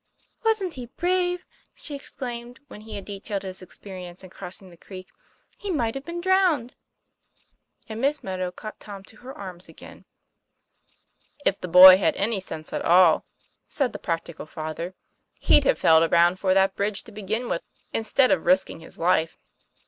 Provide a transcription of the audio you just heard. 'Wasn't he brave!" she exclaimed, when he had detailed his experiences in crossing the creek. " He might have been drowned." And Miss Meadow caught Tom to her arms again. ;' If the boy had had any sense at all," said the TOM PLAYFAIR. 169 practical father, " he'd have felt around for that bridge to begin with, instead of risking his life."